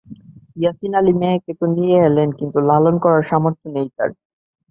ইয়াসিন আলী মেয়েকে তো নিয়ে এলেন, কিন্তু লালন করার সামর্থ্য নেই তাঁর।